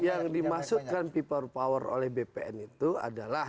yang dimaksudkan people power oleh bpn itu adalah